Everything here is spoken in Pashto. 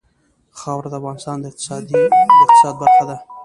خاوره د افغانستان د اقتصاد برخه ده.